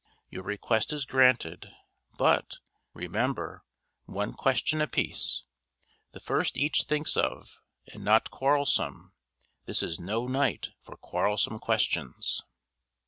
Your request is granted but remember, one question apiece the first each thinks of and not quarrelsome: this is no night for quarrelsome questions!"